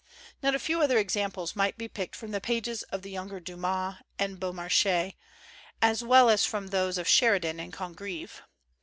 Not a few other examples might be picked from the pages of the younger Dumas and Beau marchais, as well as from those of Sheridan and Congreve.